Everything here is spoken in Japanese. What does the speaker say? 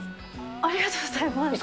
ありがとうございます。